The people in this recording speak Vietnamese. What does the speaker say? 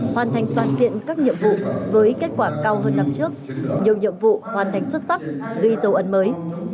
hoàn thành toàn diện các nhiệm vụ với kết quả cao hơn năm trước nhiều nhiệm vụ hoàn thành xuất sắc ghi dấu ấn mới